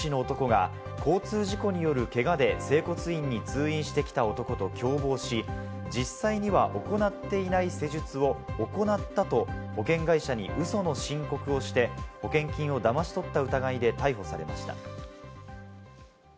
柔道整復師の男が交通事故によるけがで整骨院に通院してきた男と共謀し、実際には行っていない施術を行ったと保険会社にうその申告をして保険金をだまし取った疑いで逮捕されました。